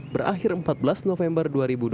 berakhir empat belas november dua ribu dua puluh